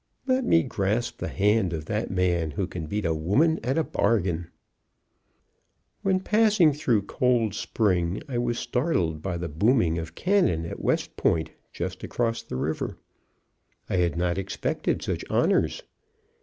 Let me grasp the hand of that man who can beat a woman at a bargain! When passing through Cold Spring, I was startled by the booming of cannon at West Point, just across the river. I had not expected such honors.